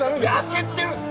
焦ってるんです。